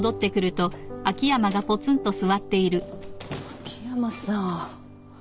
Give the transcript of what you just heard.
秋山さん。